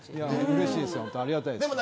うれしいです。